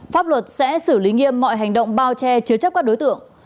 pháp luật sẽ xử lý nghiêm mọi hành động bao che chứa chấp các đối tượng